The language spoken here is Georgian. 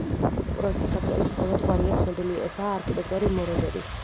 პროექტის ავტორის მხოლოდ გვარია ცნობილი, ესაა არქიტექტორი მოროზოვი.